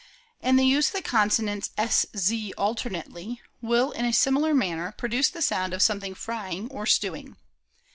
And the use of the consonants sz alternately, will in a similar manner pro duce the sound of something frying or stewing.